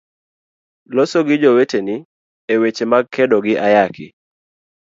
Losi gi joweteni eweche mag kedo gi ayaki.